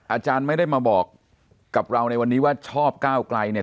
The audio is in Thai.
อาจารย์ไม่ได้มาบอกกับเราในวันนี้ว่าชอบก้าวไกลเนี่ย